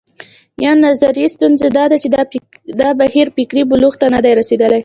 یوه نظري ستونزه دا ده چې دا بهیر فکري بلوغ ته نه دی رسېدلی.